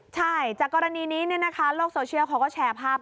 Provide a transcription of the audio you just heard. ใช่จากกรณีนี้โลกโซเชียลเขาก็แชร์ภาพ